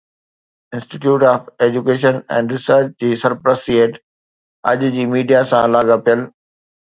institute of education and research جي سرپرستي هيٺ اڄ جي ميڊيا سان لاڳاپيل